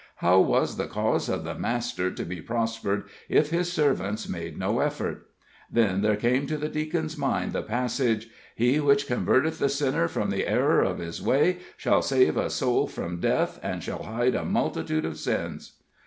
How was the cause of the Master to be prospered if His servants made no effort? Then there came to the Deacon's mind the passage, " he which converteth the sinner from the error of his way shall save a soul from death, and shall hide a multitude of sins."